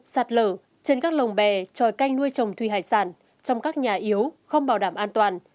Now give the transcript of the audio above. sạt lở trên các lồng bè tròi canh nuôi trồng thủy hải sản trong các nhà yếu không bảo đảm an toàn